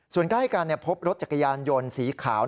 ส่วนใกล้กันพบรถจักรยานยนต์สีขาว